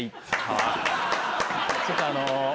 ちょっとあの。